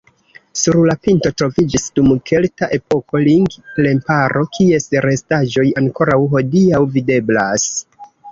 Sur la pinto troviĝis dum kelta epoko ring-remparo, kies restaĵoj ankoraŭ hodiaŭ videblas.